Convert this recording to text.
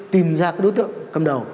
tìm ra cái đối tượng cầm đầu